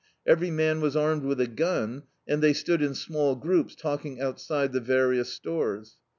Every man was armed with a gun, and they stood in small groups talking outside the various stores.